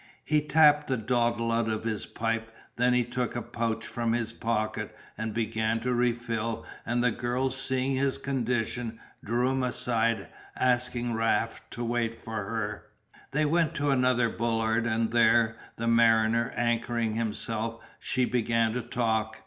He tapped the dottle out of his pipe, then he took a pouch from his pocket and began to refill and the girl, seeing his condition, drew him aside, asking Raft to wait for her. They went to another bollard and there, the mariner anchoring himself, she began to talk.